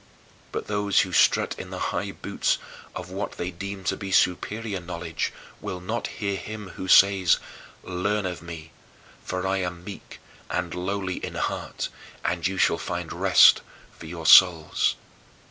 " But those who strut in the high boots of what they deem to be superior knowledge will not hear Him who says, "Learn of me, for I am meek and lowly in heart, and you shall find rest for your souls."